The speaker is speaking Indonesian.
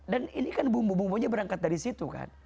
dan ini kan bumbu bumbunya berangkat dari situ kan